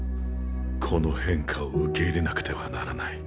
この変化を受け入れなくてはならない。